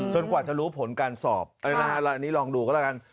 กว่าจะรู้ผลการสอบอันนี้ลองดูก็แล้วกัน